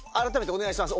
お願いします